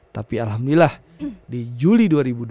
tapi alhamdulillah di juli dua ribu dua puluh